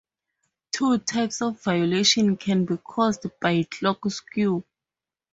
Two types of violation can be caused by clock skew.